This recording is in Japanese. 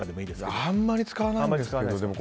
あんまり使わないんですけど